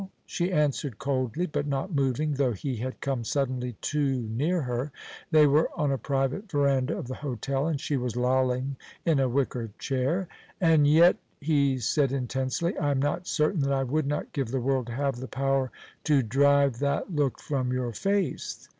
she answered coldly, but not moving, though he had come suddenly too near her. They were on a private veranda of the hotel, and she was lolling in a wicker chair. "And yet," he said intensely, "I am not certain that I would not give the world to have the power to drive that look from your face.